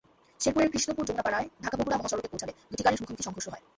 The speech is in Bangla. শেরপুরের কৃষ্ণপুর যমুনাপাড়ায় ঢাকা-বগুড়া মহাসড়কে পৌঁছালে দুটি গাড়ির মুখোমুখি সংঘর্ষ হয়।